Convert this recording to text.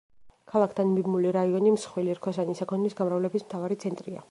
ქალაქთან მიბმული რაიონი მსხვილი რქოსანი საქონლის გამრავლების მთავარი ცენტრია.